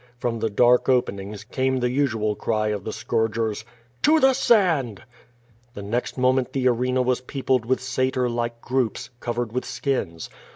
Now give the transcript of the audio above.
From the dark openings came ' the usual cry of the scourgers: "To the sand!" The next moment the arena was peopled with satyr like groups, covered with skins.